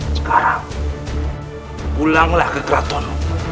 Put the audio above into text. sekarang pulanglah ke kraton